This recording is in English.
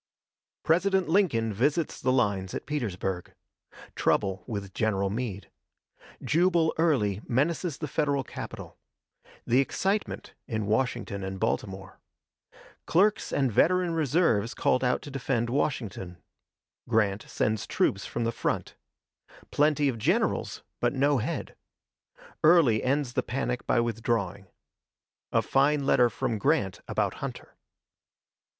President Lincoln visits the lines at Petersburg Trouble with General Meade Jubal Early menaces the Federal capital The excitement in Washington and Baltimore Clerks and veteran reserves called out to defend Washington Grant sends troops from the front Plenty of generals, but no head Early ends the panic by withdrawing A fine letter from Grant about Hunter.